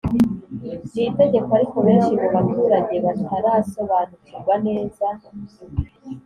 Ni itegeko ariko benshi mu baturage batarasobanukirwa neza